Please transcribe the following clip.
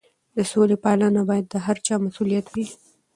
د سولې پالنه باید د هر چا مسؤلیت وي.